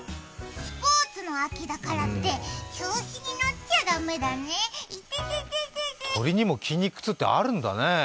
スポーツの秋だからって調子に乗っちゃダメだね、いててて鳥にも筋肉痛ってあるんだね。